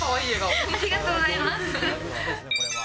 ありがとうございます。